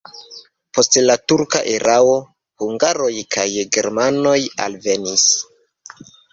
Post la turka erao hungaroj kaj germanoj alvenis.